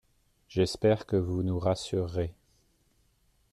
J’espère que vous nous rassurerez.